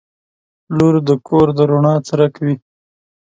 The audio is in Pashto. • لور د کور د رڼا څرک وي.